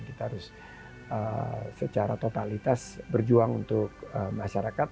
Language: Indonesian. kita harus secara totalitas berjuang untuk masyarakat